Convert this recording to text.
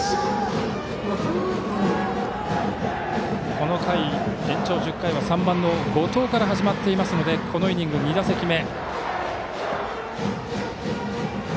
この回、延長１０回は後藤から始まったのでこのイニング２打席目。